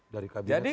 dari kabinet satu